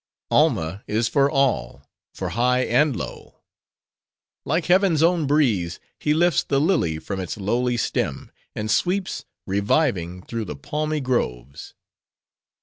"Alma is for all; for high and low. Like heaven's own breeze, he lifts the lily from its lowly stem, and sweeps, reviving, through the palmy groves.